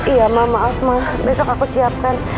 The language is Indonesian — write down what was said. iya ma maaf ma besok aku siapkan